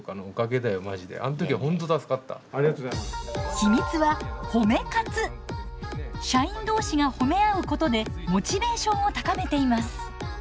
秘密は社員同士が褒め合うことでモチベーションを高めています。